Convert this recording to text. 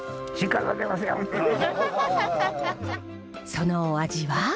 そのお味は？